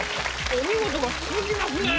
「お見事！」が続きますね。